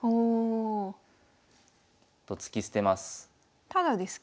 おお。と突き捨てます。